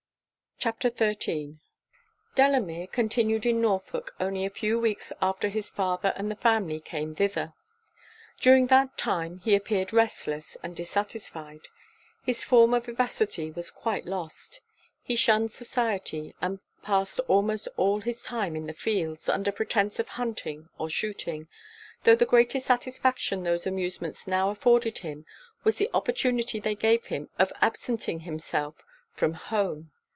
CHAPTER XIII Delamere continued in Norfolk only a few weeks after his father and the family came thither. During that time, he appeared restless and dissatisfied; his former vivacity was quite lost; he shunned society; and passed almost all his time in the fields, under pretence of hunting or shooting, tho' the greatest satisfaction those amusements now afforded him was the opportunity they gave him of absenting himself from home.